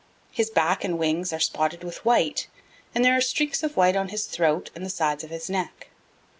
His back and wings are spotted with white, and there are streaks of white on his throat and the sides of his neck.